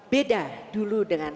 beda dulu dengan